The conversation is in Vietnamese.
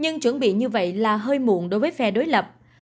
nhưng chuẩn bị như vậy là hơi muộn đối với phe đối lập